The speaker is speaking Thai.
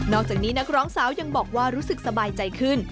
อกจากนี้นักร้องสาวยังบอกว่ารู้สึกสบายใจขึ้น